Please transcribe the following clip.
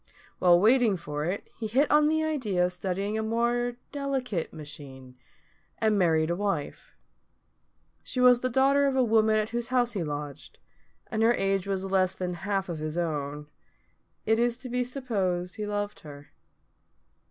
While waiting for it, he hit on the idea of studying a more delicate machine, and married a wife. She was the daughter of a woman at whose house he lodged, and her age was less than half of his own. It is to be supposed he loved her.